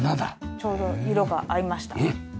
ちょうど色が合いました。